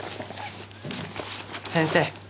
先生